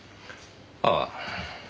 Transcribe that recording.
ああ。